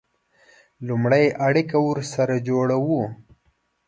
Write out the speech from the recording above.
لومړی اړیکه ورسره جوړوو.